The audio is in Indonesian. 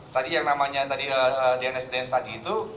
tadi yang namanya dns dns tadi itu